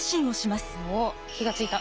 おっ火がついた。